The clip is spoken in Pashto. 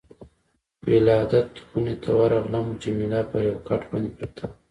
ولادت خونې ته ورغلم، جميله پر یو کټ باندې پرته وه.